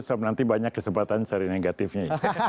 sampai nanti banyak kesempatan seri negatifnya